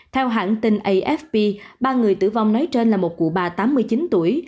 theo hãng tin afp ba người tử vong nói trên là một cụ bà tám mươi chín tuổi